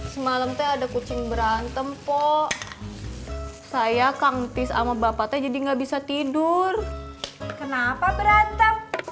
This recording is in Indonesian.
semalam teh ada kucing berantem po saya kangtis ama bapaknya jadi nggak bisa tidur kenapa berantem